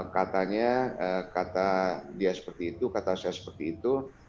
katanya kata dia seperti itu kata saya seperti itu